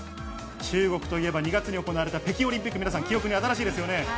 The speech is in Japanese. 中国といえば２月に行われた北京オリンピック、皆さん、記憶に新しいですよね。